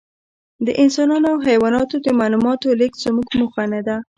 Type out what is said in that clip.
د انسانانو او حیواناتو د معلوماتو لېږد زموږ موخه نهده.